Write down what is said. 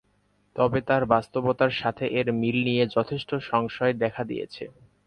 তবে বাস্তবতার সাথে এর মিল নিয়ে যথেষ্ট সংশয় দেখা দিয়েছে।